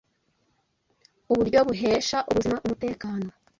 Uburyo Buhesha Ubuzima Umutekano